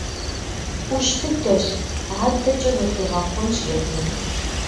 Ӏущ дыдэщ, адэкӀэ зэхуигъэхъунщ езым.